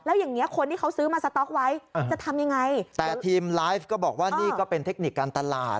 แล้วอย่างเงี้คนที่เขาซื้อมาสต๊อกไว้จะทำยังไงแต่ทีมไลฟ์ก็บอกว่านี่ก็เป็นเทคนิคการตลาด